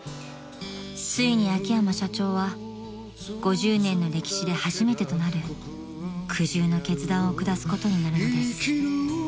［ついに秋山社長は５０年の歴史で初めてとなる苦渋の決断を下すことになるのです］